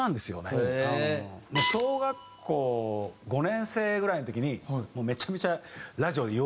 小学校５年生ぐらいの時にもうめちゃめちゃラジオで洋楽にハマって。